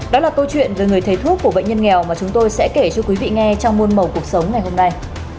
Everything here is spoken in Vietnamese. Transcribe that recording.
đó là câu chuyện về người thầy thuốc của bệnh nhân nghèo mà chúng tôi sẽ kể cho quý vị nghe trong muôn màu cuộc sống ngày hôm nay